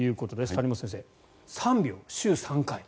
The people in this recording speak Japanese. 谷本先生、３秒、週３回。